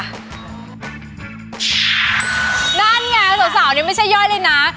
นั่นไงสาวนี่ไม่ใช่ย่อยเลยนะ